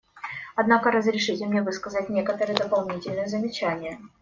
Однако разрешите мне высказать некоторые дополнительные замечания.